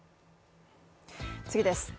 次です。